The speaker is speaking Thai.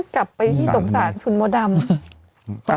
กลับไปที่สงสารคุณมดดำ